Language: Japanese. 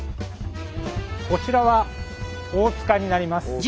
こちらは大塚になります。